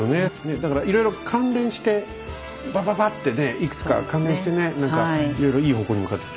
だからいろいろ関連してバババッてねいくつか関連してね何かいろいろいい方向に向かってくといいですよね。